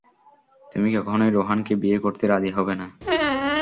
তুমি কখনই রোহানকে বিয়ে করতে, রাজি হবে না।